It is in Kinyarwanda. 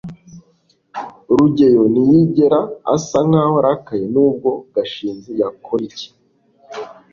rugeyo ntiyigera asa nkaho arakaye nubwo gashinzi yakora iki